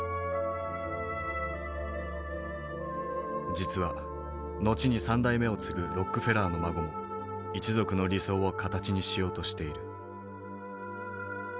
実は後に３代目を継ぐロックフェラーの孫も一族の理想を形にしようとしている。